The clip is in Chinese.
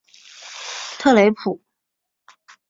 特雷普。